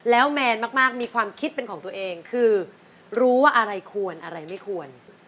แล้วแมนมากมีความคิดเป็นของตัวเองคือรู้ว่าอะไรควรอะไรไม่ควร